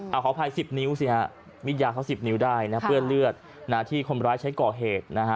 เอาขออภัย๑๐นิ้วสิฮะมิดยาวเขา๑๐นิ้วได้นะเปื้อนเลือดที่คนร้ายใช้ก่อเหตุนะฮะ